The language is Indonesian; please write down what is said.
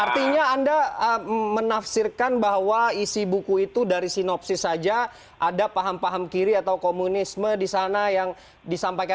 artinya anda menafsirkan bahwa isi buku itu dari sinopsis saja ada paham paham kiri atau komunisme di sana yang disampaikan